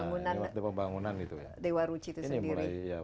ketika pembangunan dewa ruchi itu sendiri